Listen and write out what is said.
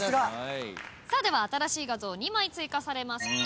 では新しい画像２枚追加されます。